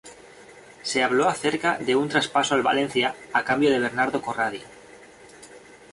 Se habló acerca de un traspaso al Valencia a cambio de Bernardo Corradi.